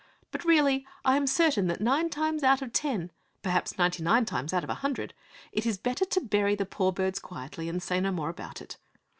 But, really, I am certain that, nine times out of ten, perhaps ninety nine times out of a hundred, it is better to bury the poor birds quietly and say no more about it.